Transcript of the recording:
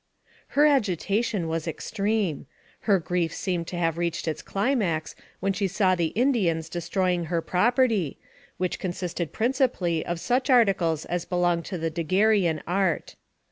Her agitation was extreme. Her grief seemed to have reached its climax when she saw the Indians destroying her property, which consisted principally of such articles as belong to the Daguerrean art.